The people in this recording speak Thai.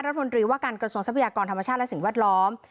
รัฐมนตรีว่าการกระทรวงทรัพยากรธรรมชาติและสิ่งแวดล้อม